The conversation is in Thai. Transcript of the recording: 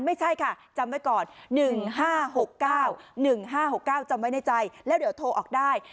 ไม่ใช่ค่ะจำไว้ก่อน๑๕๖๙๑๕๖๙จำไว้ในใจแล้วเดี๋ยวโทรออกได้